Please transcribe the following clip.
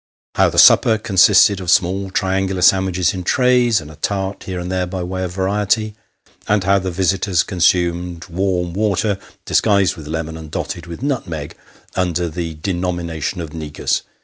How the supper consisted of small triangular sandwiches in trays, and a tart here and there by way of variety ; and how the visitors consumed warm water disguised with lemon, and dotted with nutmeg, under the denomination of negus.